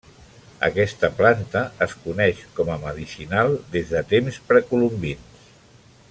Aquesta planta es coneix com a medicinal des de temps precolombins.